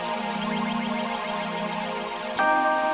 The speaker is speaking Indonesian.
cewek gue mau dibawa kemana